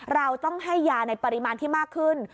เราต้องให้ยาในปริมาณที่มากขึ้น